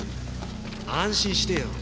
安心してよ。